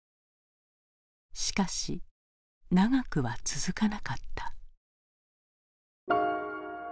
しかし長くは続かなかった。